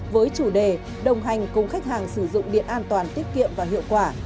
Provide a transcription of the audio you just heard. với chủ đề đồng hành cùng khách hàng sử dụng điện an toàn tiết kiệm và hiệu quả